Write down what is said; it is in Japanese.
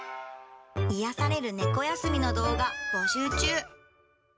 癒やされる猫休みの動画、募集中。